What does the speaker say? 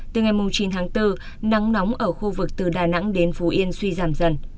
từ ngày chín tháng bốn nắng nóng ở khu vực từ đà nẵng đến phú yên suy giảm dần